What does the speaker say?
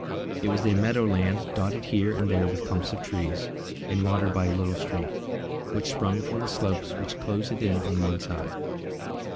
It was a meadow land, dotted here and there with clumps of trees, and watered by a little stream, which sprung from the slopes which closed it in on one side.